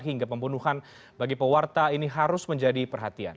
hingga pembunuhan bagi pewarta ini harus menjadi perhatian